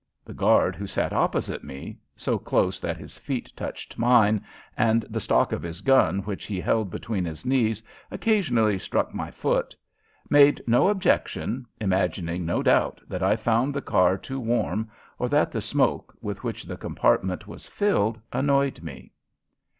The guard who sat opposite me so close that his feet touched mine and the stock of his gun which he held between his knees occasionally struck my foot made no objection, imagining, no doubt, that I found the car too warm or that the smoke, with which the compartment was filled, annoyed me.